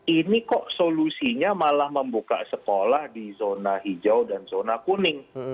ini kok solusinya malah membuka sekolah di zona hijau dan zona kuning